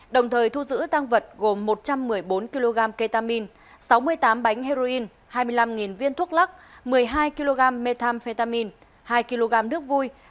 đồng thời thu giữ tăng vật gồm một trăm một mươi bốn kg ketamine sáu mươi tám bánh heroin hai mươi năm viên thuốc lắc một mươi hai kg methamphetamine hai kg nước vui